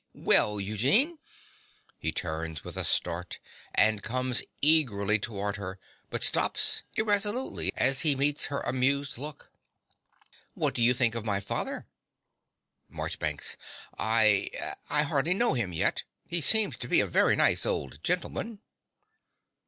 Well, Eugene. (He turns with a start and comes eagerly towards her, but stops irresolutely as he meets her amused look.) What do you think of my father? MARCHBANKS. I I hardly know him yet. He seems to be a very nice old gentleman.